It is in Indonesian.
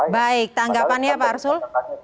baik tanggapannya pak arsul